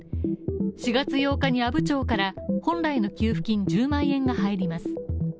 ４月８日に阿武町から本来の給付金１０万円が入ります。